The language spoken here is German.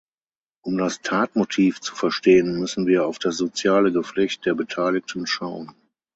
Um das Tatmotiv zu verstehen, müssen wir auf das soziale Geflecht der Beteiligten schauen.